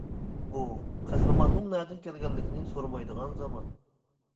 بۇ قەھرىماننىڭ نەدىن كەلگەنلىكىنى سورىمايدىغان زامان.